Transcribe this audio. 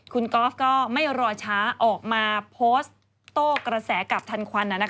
คุณกอล์ฟก็ไม่รอช้าออกมาโพสต์โต้กระแสกลับทันควัน